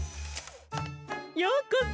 ようこそ。